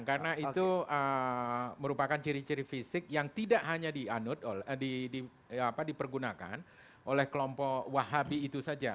karena itu merupakan ciri ciri fisik yang tidak hanya dipergunakan oleh kelompok wahabi itu saja